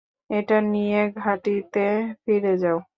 এটা নিয়ে ঘাঁটিতে ফিরে যাও।